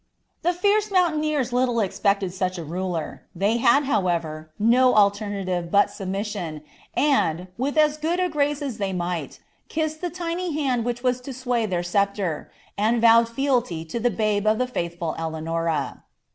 '' The fierce mountaineers little expected such a ruler : they had, however, no alternative but submis ■OB, and, with as good a grace as they might, kissed the tiny hand which was to sway their sceptre, and vowed feal^ to the babe of the faithful Eleanora.